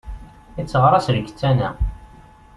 Itteɣraṣ lkettan-a.